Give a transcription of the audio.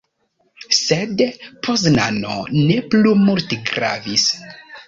Sed, Poznano ne plu multe gravis.